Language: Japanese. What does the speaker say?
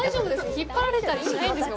引っ張られたりしないんですか。